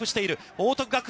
報徳学園。